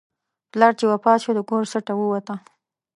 پلار چې وفات شو، د کور سټه ووته.